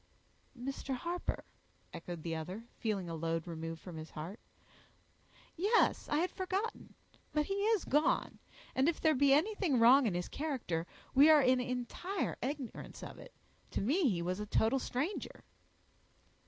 "Mr. Harper," echoed the other, feeling a load removed from his heart, "yes, I had forgotten; but he is gone; and if there be anything wrong in his character, we are in entire ignorance of it; to me he was a total stranger."